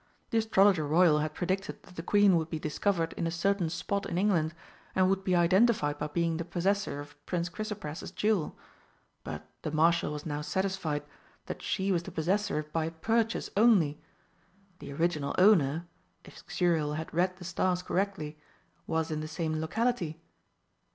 The Astrologer Royal had predicted that the Queen would be discovered in a certain spot in England, and would be identified by being the possessor of Prince Chrysopras's jewel. But the Marshal was now satisfied that she was the possessor by purchase only. The original owner if Xuriel had read the stars correctly was in the same locality.